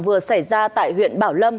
vừa xảy ra tại huyện bảo lâm